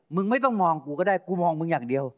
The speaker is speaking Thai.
มึงไม่ต้องมองกูก็ได้กูมองมึงอย่างเดียว